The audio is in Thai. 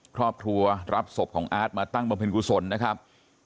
ครอบครัวรับศพของอาร์ตมาตั้งบำเพ็ญกุศลนะครับ